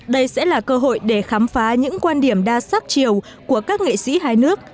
đây sẽ là cơ hội để khám phá những quan điểm đa sắc chiều của các nghệ sĩ hai nước